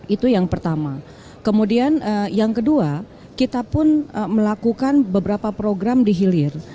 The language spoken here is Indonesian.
itu yang pertama kemudian yang kedua kita pun melakukan beberapa program di hilir